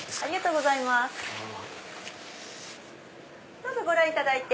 どうぞご覧いただいて。